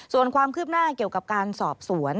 ส่วนความคืบหน้าเกี่ยวกับการสอบสวน